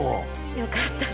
よかったよ。